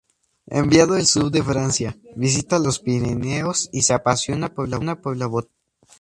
Enviado al sur de Francia, visita los Pirineos y se apasiona por la botánica.